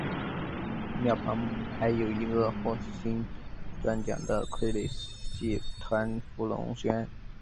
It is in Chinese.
庙旁还有一个获薪传奖的傀儡戏团福龙轩。